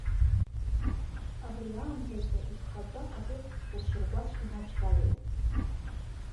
Абри аамҭазы иԥхаӡа акы лшьыргәацә инадшәалеит.